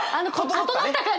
整った感じ！